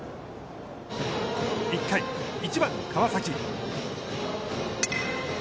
１回、１番川崎。